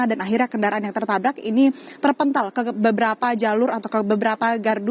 dan akhirnya kendaraan yang tertabrak ini terpental ke beberapa jalur atau ke beberapa gardu